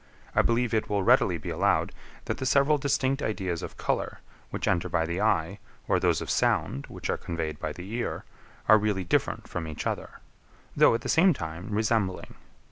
I believe it will readily be allowed, that the several distinct ideas of colour, which enter by the eye, or those of sound, which are conveyed by the ear, are really different from each other; though, at the same time, resembling.